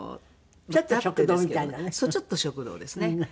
ちょっと食堂ですね。